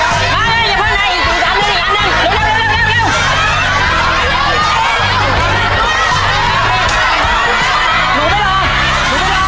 ได้เลยที่พ่อหน่อยหนูรักเขาหนูรักคนอื่น